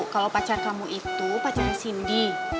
kalau pacar kamu itu pacaran cindy